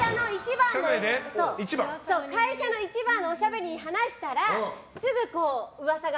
会社の一番のおしゃべりに話したらすぐ噂が。